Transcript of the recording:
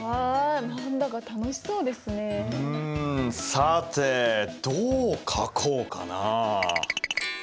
さてどう描こうかな。